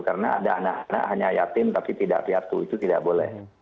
karena ada anak anak hanya yatim tapi tidak piatu itu tidak boleh